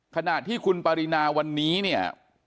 ขณะที่คุณปรินาวันนี้เนี่ย